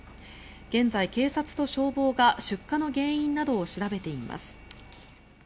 現在、警察と消防が出火の原因などを調べています。